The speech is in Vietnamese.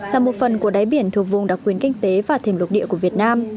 là một phần của đáy biển thuộc vùng đặc quyền kinh tế và thềm lục địa của việt nam